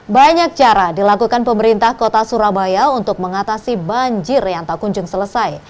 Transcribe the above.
banyak cara dilakukan pemerintah kota surabaya untuk mengatasi banjir yang tak kunjung selesai